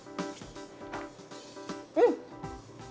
うん！